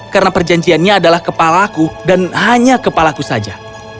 karena perjanjiannya adalah kepalaku dan hanya kepalaku saja